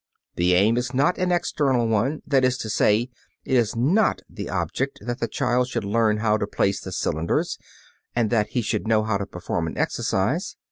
The aim is not an external one, that is to say, it is not the object that the child should learn how to place the cylinders, and that he should know how to perform an exercise.